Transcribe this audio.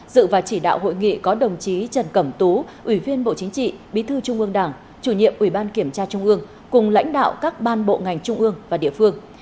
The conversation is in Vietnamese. dự và chỉ đạo hội nghị có đồng chí trần cẩm tú ủy viên bộ chính trị bí thư trung ương đảng chủ nhiệm ủy ban kiểm tra trung ương cùng lãnh đạo các ban bộ ngành trung ương và địa phương